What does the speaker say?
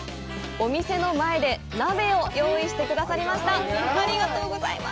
お店の前で鍋を用意してくださいました。